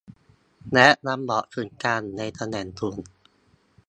และยังบอกถึงการอยู่ในตำแหน่งสูง